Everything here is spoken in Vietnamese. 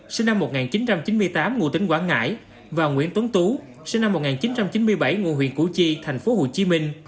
sinh năm một nghìn chín trăm chín mươi tám ngụ tính quảng ngãi và nguyễn tuấn tú sinh năm một nghìn chín trăm chín mươi bảy ngụ huyện củ chi tp hcm